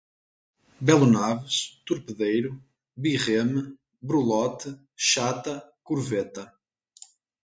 Belonaves, torpedeiro, birreme, brulote, chata, corveta